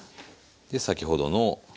先ほどの。